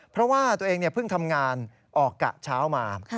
เพราะว่าตัวเองเพิ่งทำงานออกกะเช้ามา